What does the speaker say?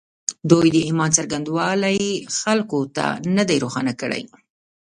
دوی د ایمان څرنګوالی خلکو ته نه دی روښانه کړی